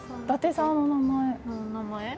伊達さんのお名前？